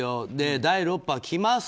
第６波きます